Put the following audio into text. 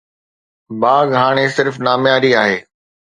باغ هاڻي صرف نامياري آهي.